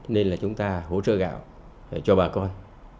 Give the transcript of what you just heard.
nên là chúng ta hỗ trợ gạo cho bà con